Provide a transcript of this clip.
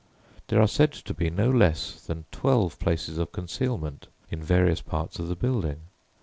There are said to be no less than twelve places of concealment in various parts of the building.